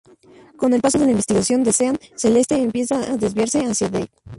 Con el paso de la investigación de Sean, Celeste empieza a desviarse hacia Dave.